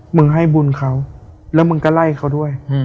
มึงให้บุญเขาแล้วมึงก็ไล่เขาด้วย